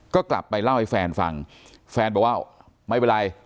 ก็กลับไปเล่าให้แฟนฟังแฟนบอกว่าไม่เป็นไร